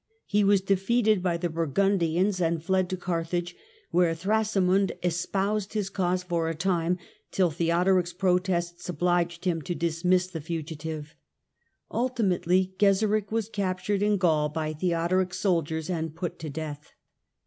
He was feated by the Burgundians and fled to Carthage, here Thrasamund espoused his cause for a time, till heodoric 's protests obliged him to dismiss the fugitive, ltimately, Gesalic was captured in Gaul by Theodoric's ldiers and put to death.